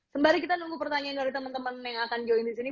sembari kita menunggu pertanyaan dari teman teman yang akan join disini